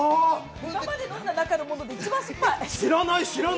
今まで飲んだものの中で一番酸っぱい！